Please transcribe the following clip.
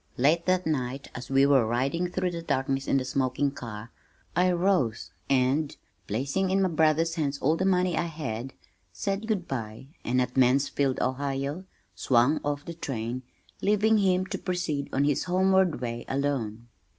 Late that night as we were riding through the darkness in the smoking car, I rose and, placing in my brother's hands all the money I had, said good bye, and at Mansfield, Ohio, swung off the train, leaving him to proceed on his homeward way alone.